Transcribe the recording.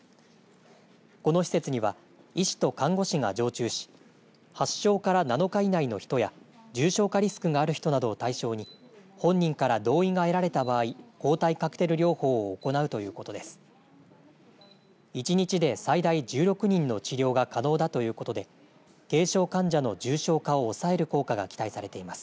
この施設には医師と看護師が常駐し発症から７日以内の人や重症化リスクがある人などを対象に本人から同意が得られた場合抗体カクテル療法を行うということです。